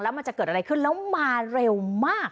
มันจะเกิดอะไรขึ้นแล้วมาเร็วมาก